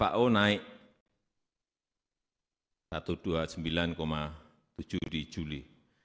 ya beras fao naik satu ratus dua puluh sembilan tujuh di juli